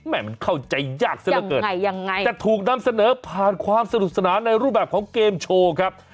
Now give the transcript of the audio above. มันเข้าใจยากซะละเกินแต่ถูกนำเสนอผ่านความสนุกสนานในรูปแบบของเกมโชว์ครับ